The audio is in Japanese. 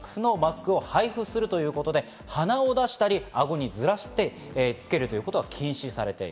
不織布のマスクを配布するということで鼻を出したり、あごにずらしてつけるということは禁止です。